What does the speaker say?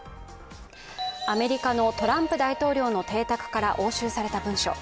アメリカのトランプ大統領の邸宅から押収された文書。